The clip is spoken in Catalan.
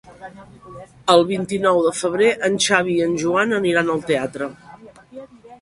El vint-i-nou de febrer en Xavi i en Joan aniran al teatre.